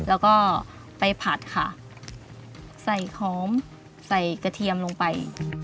แล้วก็ไปผัดค่ะใส่หอมใส่กระเทียมลงไป